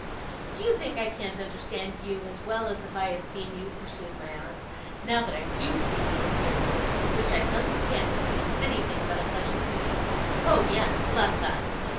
'Do you think I can't understand you as well as if I had seen you,' pursued my aunt, 'now that I DO see and hear you which, I tell you candidly, is anything but a pleasure to me? Oh yes, bless us!